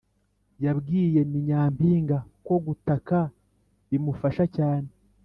yabwiye ni nyampinga ko gutaka bimufasha cyane,